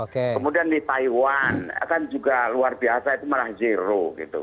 kemudian di taiwan kan juga luar biasa itu malah zero gitu